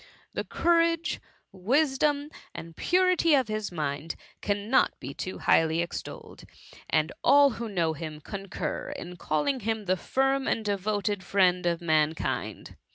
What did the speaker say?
The courage, wisdom, and purity of his mind cannot be too highly extolled ; ^d all who 182 THE MUMMY. know him coneur in calling him the firm and devoted friend of mankind.